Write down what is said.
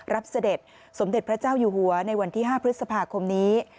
เสด็จสมเด็จพระเจ้าอยู่หัวในวันที่๕พฤษภาคมนี้